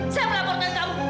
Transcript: saya melaporkan kamu